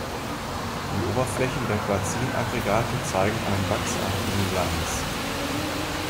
Die Oberflächen der Quarzin-Aggregate zeigen einen wachsartigen Glanz.